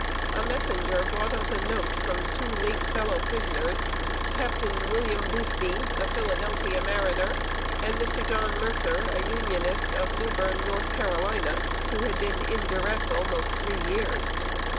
A messenger brought us a note from two late fellow prisoners, Captain William Boothby, a Philadelphia mariner, and Mr. John Mercer, a Unionist, of Newbern, North Carolina, who had been in duress almost three years.